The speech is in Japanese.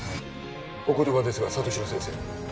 お言葉ですが里城先生